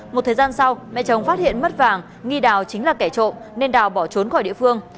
một thời gian sau mẹ chồng phát hiện mất vàng nghi đào chính là kẻ trộm nên đào bỏ trốn khỏi địa phương